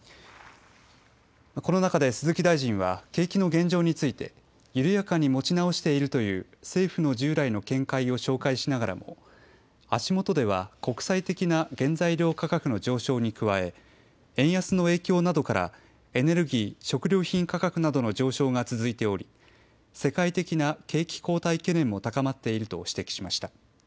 この中で鈴木大臣は景気の現状について緩やかに持ち直しているという政府の従来の見解を紹介しながらも足元では国際的な原材料価格の上昇に加え円安の影響などからエネルギー・食料品価格などの上昇が続いており世界的な景気後退懸念も高まっていると指摘しました。